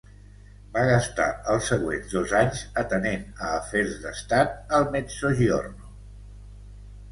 Va gastar els següents dos anys atenent a afers d'estat al Mezzogiorno.